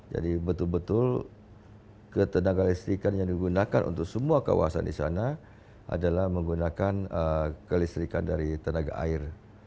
jadi betul betul ketenaga listrikan yang digunakan untuk semua kawasan disana adalah menggunakan kelistrikan dari tenaga air